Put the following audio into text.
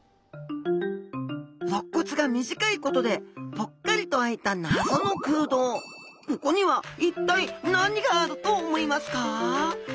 ろっ骨が短いことでぽっかりと空いたここには一体何があると思いますか？